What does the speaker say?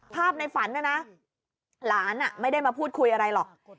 ในฝันนะนะหลานไม่ได้มาพูดคุยอะไรหรอก